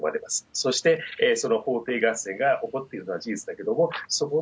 そして、その法廷合戦が起こってくるのは事実だけれども、そこの